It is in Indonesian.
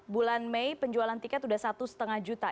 bulan mei penjualan tiket sudah satu lima juta